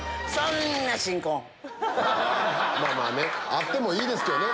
あってもいいですけどね。